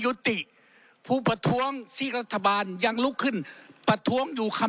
ครับครับครับครับครับครับครับครับครับครับครับครับครับครับครับครับ